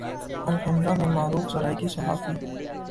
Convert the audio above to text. الحمرا میں معروف سرائیکی صحافی